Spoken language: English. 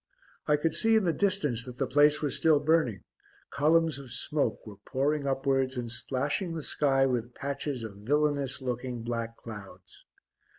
I could see in the distance that the place was still burning; columns of smoke were pouring upwards and splashing the sky with patches of villainous looking black clouds.